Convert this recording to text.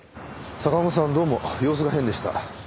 坂本さんどうも様子が変でした。